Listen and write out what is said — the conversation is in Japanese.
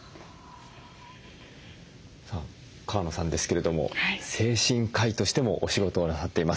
さあ川野さんですけれども精神科医としてもお仕事をなさっています。